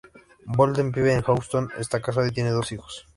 Bolden vive en Houston, esta casado y tiene dos hijos.